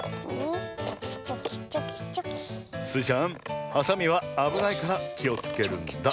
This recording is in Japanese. スイちゃんはさみはあぶないからきをつけるんだ。